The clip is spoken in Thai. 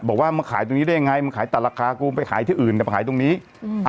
บอกว่ามึงขายตรงนี้ได้ยังไงมึงขายตัดราคากูไปขายที่อื่นจะไปขายตรงนี้อืม